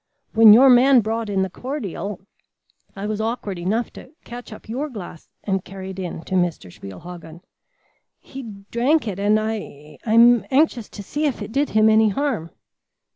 When your man brought in the cordial, I was awkward enough to catch up your glass and carry it in to Mr. Spielhagen. He drank it and I I am anxious to see if it did him any harm."